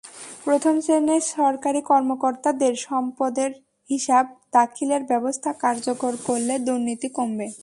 প্রথম শ্রেণির সরকারি কর্মকর্তাদের সম্পদের হিসাব দাখিলের ব্যবস্থা কার্যকর করলে দুর্নীতি কমবে।